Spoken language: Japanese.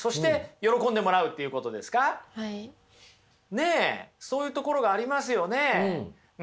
ねっそういうところがありますよね。